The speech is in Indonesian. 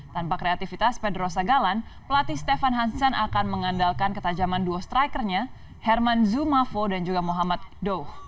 tanpa kreativitas pedro sagalan pelatih stefan hansen akan mengandalkan ketajaman dua strikernya herman zumavo dan juga muhammad doh